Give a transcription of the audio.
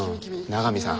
長見さん